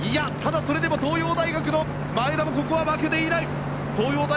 それでも東洋大学の前田もここは負けていない！